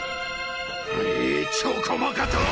ぬうちょこまかと！